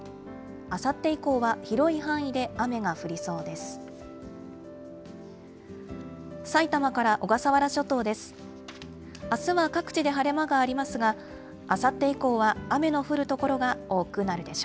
あさって以降は広い範囲で雨が降りそうです。